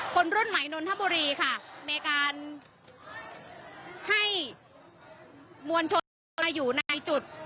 คนรุ่นใหม่นนทบุรีค่ะมีการให้มวลชนนั้นมาอยู่ในจุด